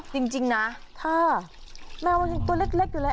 อ่าจริงน่ะค่ะแมวตัวเล็กอยู่แล้ว